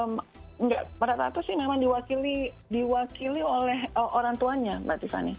nggak rata sih memang diwakili oleh orang tuanya mbak tiffany